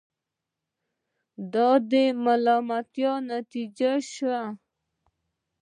د دې ملاقات نتیجه دا شوه.